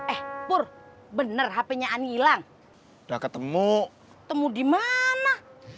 eh pur bener hpnya anilang udah ketemu temu di mana